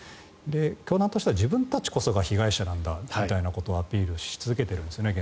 教団としては自分たちこそが被害者なんだみたいなことをアピールし続けているんですね。